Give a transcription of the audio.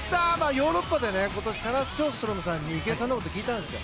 ヨーロッパで今年サラ・ショーストロムさんに池江さんのこと聞いたんですよ。